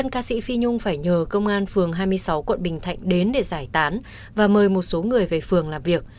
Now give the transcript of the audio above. ca sĩ phi nhung phải nhờ công an phường hai mươi sáu quận bình thạnh đến để giải tán và mời một số người về phường làm việc